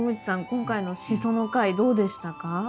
今回のシソの回どうでしたか？